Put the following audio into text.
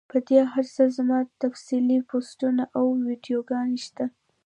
پۀ دې هر څۀ زما تفصیلي پوسټونه او ويډيوګانې شته